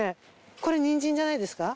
これニンジンじゃないですか？